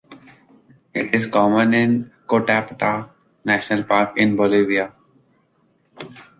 It is common in Cotapata National Park in Bolivia.